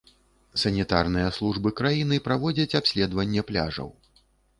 Санітарныя службы краіны праводзяць абследаванне пляжаў.